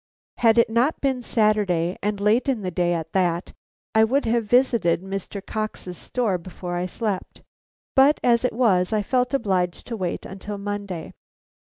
Had it not been Saturday, and late in the day at that, I would have visited Mr. Cox's store before I slept, but as it was I felt obliged to wait till Monday.